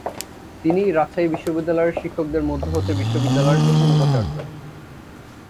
তিনিই রাজশাহী বিশ্ববিদ্যালয়ের শিক্ষকদের মধ্য হতে বিশ্ববিদ্যালয়ের প্রথম উপাচার্য।